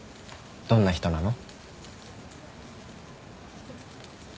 どんな人なの？